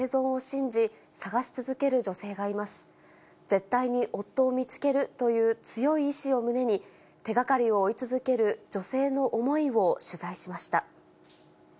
絶対に夫を見つけるという強い意思を胸に、手がかりを追い続ける女性の思いを取材しました。